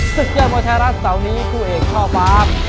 สุดยอดมวลแทรศเสาร์นี้คู่เอกท่อฟ้า